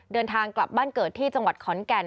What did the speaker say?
เดินทางกลับบ้านเกิดที่จังหวัดขอนแก่น